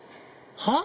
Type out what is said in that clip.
はっ？